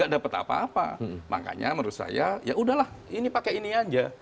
tidak dapat apa apa makanya menurut saya ya udahlah ini pakai ini aja